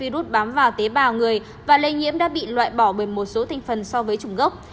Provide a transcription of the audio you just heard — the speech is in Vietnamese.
lấy bào người và lây nhiễm đã bị loại bỏ bởi một số thành phần so với chủng gốc